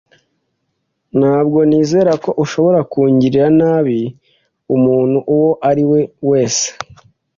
Ntabwo nizera ko ushobora kugirira nabi umuntu uwo ari we wese.